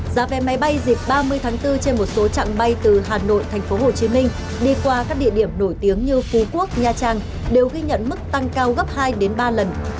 giá vé máy bay dịp ba mươi tháng bốn trên một số trạng bay từ hà nội thành phố hồ chí minh đi qua các địa điểm nổi tiếng như phú quốc nha trang đều ghi nhận mức tăng cao gấp hai đến ba lần